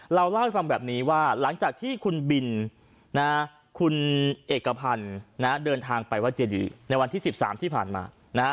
เล่าให้ฟังแบบนี้ว่าหลังจากที่คุณบินคุณเอกพันธ์เดินทางไปวัดเจดีในวันที่๑๓ที่ผ่านมา